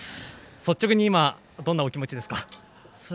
率直に、今どんなお気持ちですか？